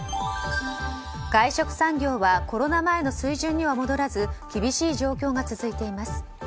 外食産業はコロナ前の水準には戻らず厳しい状況が続いています。